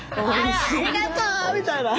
「ありがとう！」みたいな。